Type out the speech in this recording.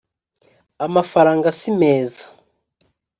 amafaranga simeza.